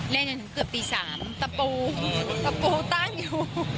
เล่นกันถึงเกือบตี๓ตะปูตะปูตั้งอยู่